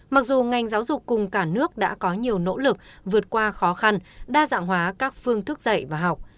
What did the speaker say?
mặc dù ngành giáo dục cùng cả nước đã có nhiều nỗ lực vượt qua khó khăn đa dạng hóa các phương thức dạy và học